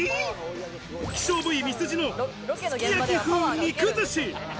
希少部位、ミスジのすき焼き風肉寿司。